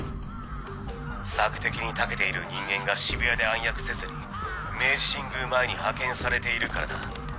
索敵にたけている人間が渋谷で暗躍せずに明治神宮前に派遣されているからだ。